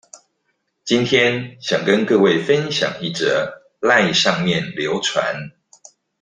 今天想跟各位分享一則賴上面流傳